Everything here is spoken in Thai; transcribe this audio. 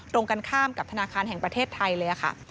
ตรงกันข้ามกับธนาคารแห่งประเทศไทยเลยค่ะ